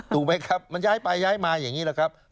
ถูกไหมครับมันย้ายไปย้ายมาอย่างนี้แหละครับ